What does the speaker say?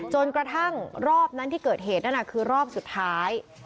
จนกระทั่งรอบนั้นที่เกิดเหตุนั่นน่ะคือรอบสุดท้าย